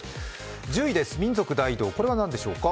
１０位です、民族大移動、これは何でしょうか。